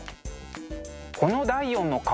この第４の顔